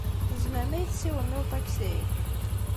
Tzemrem ad yi-tessiwlem i uṭaksi?